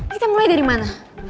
kita mulai dari mana